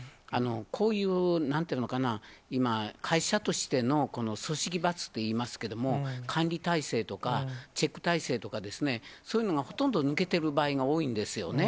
こういう、なんていうのかな、今、会社としてのこの組織罰といいますけれども、管理体制とかチェック体制とかですね、そういうのがほとんど抜けてる場合が多いんですよね。